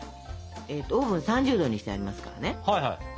オーブン３０℃にしてありますからね。